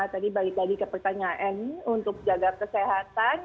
tadi balik lagi ke pertanyaan untuk jaga kesehatan